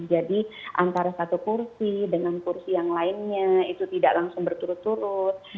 jadi antara satu kursi dengan kursi yang lainnya itu tidak langsung berturut turut